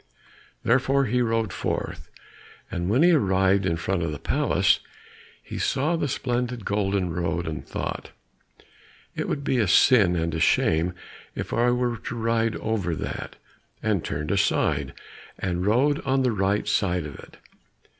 Therefore he rode forth, and when he arrived in front of the palace, and saw the splendid golden road, he thought, it would be a sin and a shame if he were to ride over that, and turned aside, and rode on the right side of it.